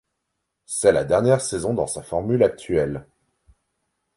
C'est la dernière saison dans sa formule actuelle.